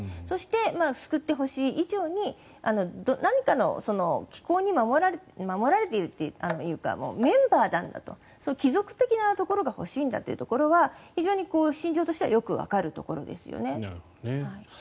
そして、救ってほしい以上に何かの機構に守られているというかメンバーなんだと帰属的なところが欲しいんだというところは非常に心情としてはよくわかるところですね。